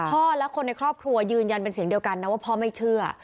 พ่อและคนในครอบครัวยืนยันเป็นเสียงเดียวกันนะว่าพ่อไม่เชื่อ